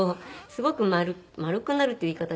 すごく丸くなるっていう言い方